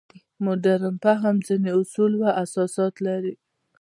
مډرن فهم ځینې اصول او اساسات لري.